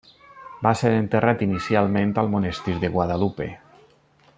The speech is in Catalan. Va ser enterrat inicialment al Monestir de Guadalupe.